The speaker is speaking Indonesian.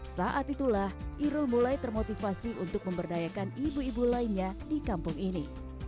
saat itulah irul mulai termotivasi untuk memberdayakan ibu ibu lainnya di kampung ini